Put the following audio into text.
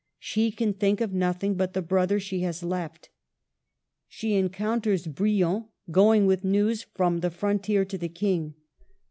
She can think of nothing but the brother she has left. She encounters Brion, going with news from the frontier to the King.